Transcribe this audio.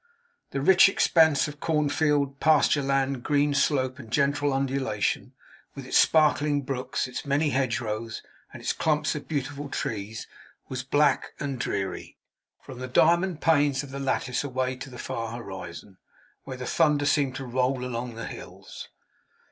The rich expanse of corn field, pasture land, green slope, and gentle undulation, with its sparkling brooks, its many hedgerows, and its clumps of beautiful trees, was black and dreary, from the diamond panes of the lattice away to the far horizon, where the thunder seemed to roll along the hills.